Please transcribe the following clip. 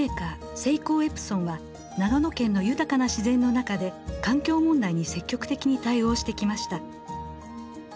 セイコーエプソンは長野県の豊かな自然の中で環境問題に積極的に対応してきました。